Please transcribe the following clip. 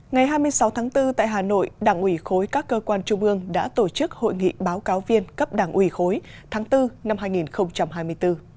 ngày hai mươi sáu tháng bốn tại hà nội đảng ủy khối các cơ quan trung ương đã tổ chức hội nghị báo cáo viên cấp đảng ủy khối tháng bốn năm hai nghìn hai mươi bốn